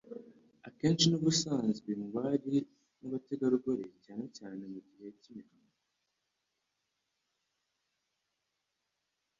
akenshi ni ubusanzwe mu bari n'abategarugori, cyane cyane mu gihe cy'imihango.